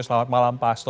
selamat malam pak hasto